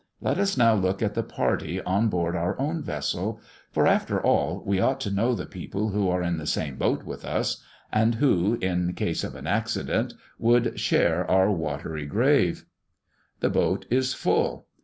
Let us now look at the party on board our own vessel; for, after all, we ought to know the people who are in the same boat with us, and who, in case of an accident would share our watery grave. The boat is full.